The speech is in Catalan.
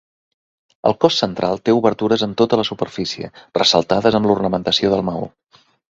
El cos central té obertures en tota la superfície, ressaltades amb l'ornamentació del maó.